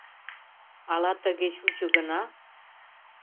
Ала тыге чучо гына?